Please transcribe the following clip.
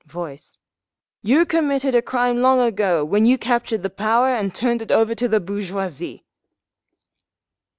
Voice: "You committed a crime long ago, when you captured the power and turned it over to the bourgeoisie!"